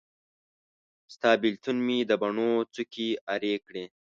ستا بیلتون مې د بڼو څوکي ارې کړې